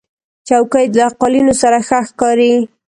چوکۍ له قالینو سره ښه ښکاري.